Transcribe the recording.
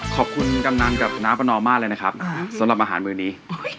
ขอบคุณกำนันกับน้าประนอมมากเลยนะครับสำหรับอาหารมือนี้